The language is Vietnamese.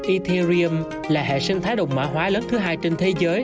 ethereum là hệ sinh thái đồng mã hóa lớn thứ hai trên thế giới